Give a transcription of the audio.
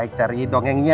si buruk rupa